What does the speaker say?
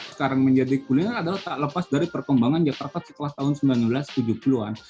sekarang menjadi kuliner adalah tak lepas dari perkembangan jakarta setelah tahun seribu sembilan ratus tujuh puluh an